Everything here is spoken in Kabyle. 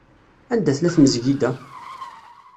Anda tella tmezgida?